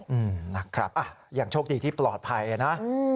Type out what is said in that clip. อืมนะครับอย่างโชคดีที่ปลอดภัยนะ